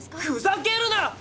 ふざけるな！